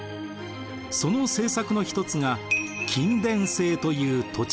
その政策の一つが均田制という土地制度です。